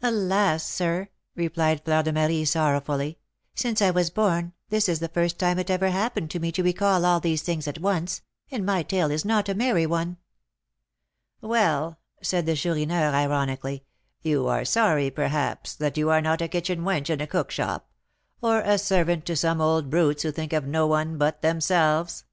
"Alas! sir," replied Fleur de Marie, sorrowfully, "since I was born this is the first time it ever happened to me to recall all these things at once, and my tale is not a merry one." "Well," said the Chourineur, ironically, "you are sorry, perhaps, that you are not a kitchen wench in a cook shop, or a servant to some old brutes who think of no one but themselves."